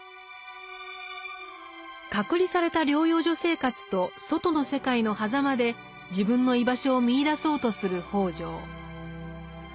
「隔離された療養所生活」と「外の世界」のはざまで自分の居場所を見いだそうとする北條。